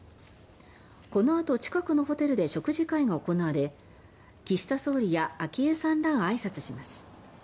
このあと近くのホテルで食事会が行われ岸田総理や昭恵さんらがあいさつします。